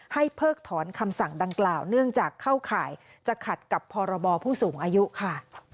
เพิกถอนคำสั่งดังกล่าวเนื่องจากเข้าข่ายจะขัดกับพรบผู้สูงอายุค่ะ